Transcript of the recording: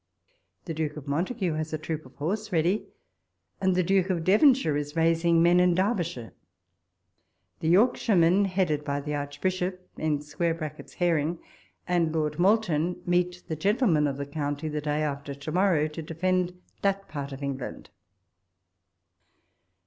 The Duke of Montagu has a troop of horse ready, and the Duke of Devonshire is raising men in Derbyshire. The Yorkshiremen, headed by the Archbishop [Herring] and Lord Malton, meet the gentlemen of the county the day after to morrow, to defend that part of England.